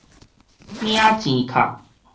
領錢卡